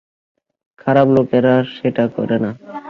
খারাপ লোকেরা সেটা করে না।